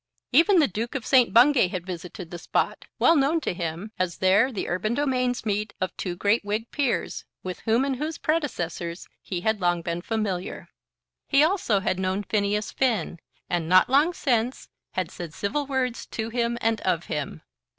Even the Duke of St. Bungay had visited the spot, well known to him, as there the urban domains meet of two great Whig peers, with whom and whose predecessors he had long been familiar. He also had known Phineas Finn, and not long since had said civil words to him and of him.